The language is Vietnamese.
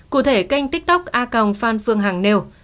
cụ thể kênh tiktok a còng fan phương hằng nêu